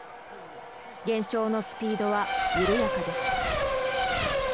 減少のスピードは緩やかです。